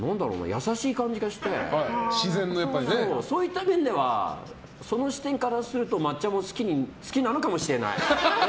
優しい感じがしてそういった面ではその視点からすると抹茶も好きなのかもしれない。